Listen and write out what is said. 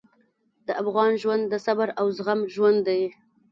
د افغان ژوند د صبر او زغم ژوند دی.